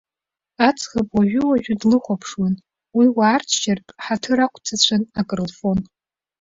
Аӡӷаб уажәы-уажәы длыхәаԥшуан, уи уаарччартә ҳаҭыр ақәҵацәан акрылфон.